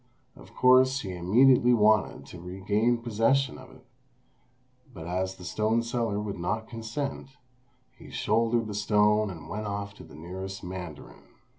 Of course he immediately wanted to regain possession of it; but as the stone seller would not consent, he shouldered the stone and went off to the nearest mandarin.